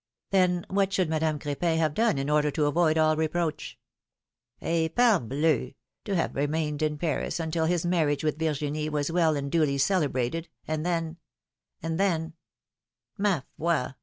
Then, what should Madame Cr^pin have done in order to avoid all reproach ? ^^Eh! jparhleu! to have remained in Paris until his marriage with Virginie was well and duly celebrated, and then — and then — mafoi!